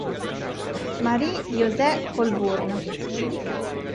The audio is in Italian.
Marie-Josée Colburn